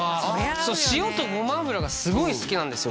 そう塩と胡麻油がすごい好きなんですよ